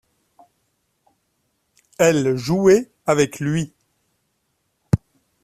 Elle jouait avec lui.